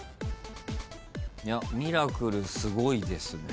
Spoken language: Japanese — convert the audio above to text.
ミラクルすごいですね。